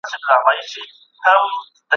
هدیرې وي چي ډکیږي د زلمیو له قبرونو